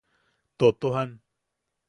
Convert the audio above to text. Totojan.